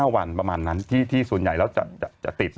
๕วันประมาณนั้นที่ส่วนใหญ่แล้วจะติด